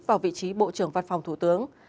vào vị trí bộ trưởng văn phòng thủ tướng